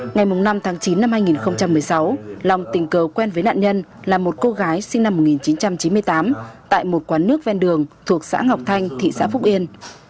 ngày năm tháng chín năm hai nghìn một mươi sáu long tình cờ quen với nạn nhân là một cô gái sinh năm một nghìn chín trăm chín mươi tám tại một quán nước ven đường thuộc xã ngọc thanh thị xã phúc yên